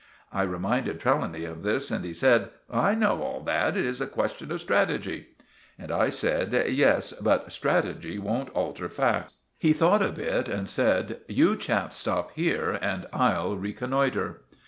I reminded Trelawny of this, and he said— "I know all that; it is a question of strategy." And I said— "Yes, but strategy won't alter facts." He thought a bit and said— "You chaps stop here and I'll reconnoitre."